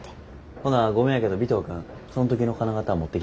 ほなごめんやけど尾藤君そん時の金型持ってきて。